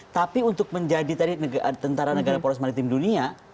tapi untuk menjadi tentara negara polos maritim dunia